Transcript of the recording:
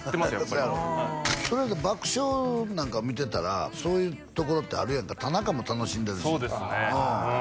やっぱりそれとか爆笑なんか見てたらそういうところってあるやんか田中も楽しんでるしそうですねああ